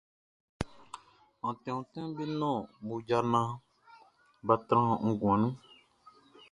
Ontin ontin be nɔn mmoja naan bʼa tran nguan nun.